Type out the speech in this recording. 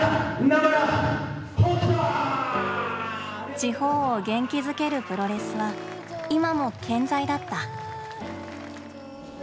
地方を元気づけるプロレスは今も健在だった。